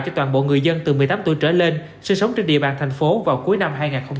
cho toàn bộ người dân từ một mươi tám tuổi trở lên sinh sống trên địa bàn thành phố vào cuối năm hai nghìn hai mươi ba